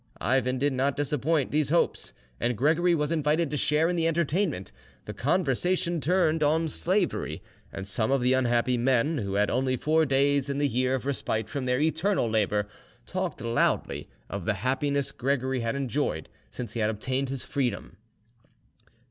Ivan did not disappoint these hopes, and Gregory was invited to share in the entertainment. The conversation turned on slavery, and some of the unhappy men, who had only four days in the year of respite from their eternal labour, talked loudly of the happiness Gregory had enjoyed since he had obtained his freedom.